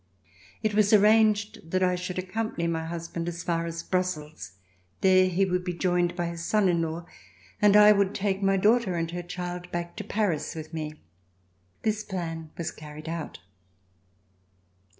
It was arranged that I should accompany my husband as far as Brussels. There he would be joined by his son in law and I would take my daughter and her child back to Paris with me. This plan was carried out.